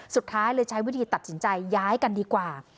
สุดท้ายเลยใช้วิธีตัดสินใจย้ายกันดีกว่า